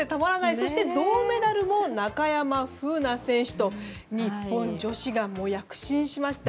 そして銅メダルも中山楓奈選手と日本女子が躍進しました。